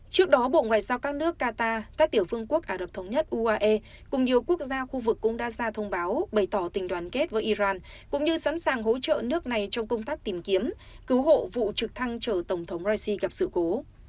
trước đó bộ ngoại giao các nước qatar các tiểu vương quốc ả rập thống nhất uae cùng nhiều quốc gia khu vực cũng đã ra thông báo bày tỏ tình đoàn kết với iran cũng như sẵn sàng hỗ trợ nước này trong công tác tìm kiếm cứu hộ vụ trực thăng chở tổng thống raisi gặp sự cố